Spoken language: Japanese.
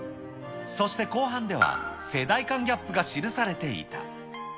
そして後半では、世代間ギャップが記されていた。